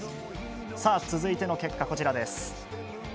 さあ、続いての結果、こちらです。